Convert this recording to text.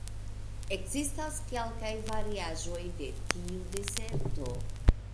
Ekzistas kelkaj variaĵoj de tiu deserto.